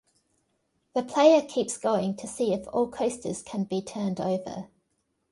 The player keeps going to see if all coasters can be turned over.